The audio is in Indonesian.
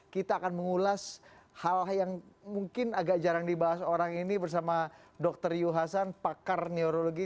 kita akan mengulas hal yang mungkin agak jarang dibahas orang ini bersama dr yu hasan pakar neurologi